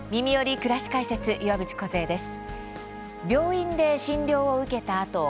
くらし解説」岩渕梢です。